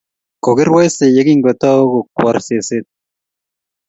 Kokirwaise yekingotau kokwor seset